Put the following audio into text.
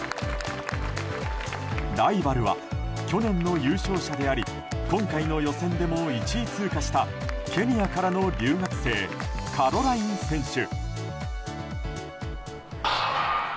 ライバルは去年の優勝者であり今回の予選でも１位通過したケニアからの留学生カロライン選手。